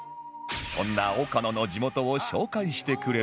そんな岡野の地元を紹介してくれるのは